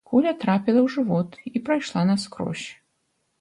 Куля трапіла ў жывот і прайшла наскрозь.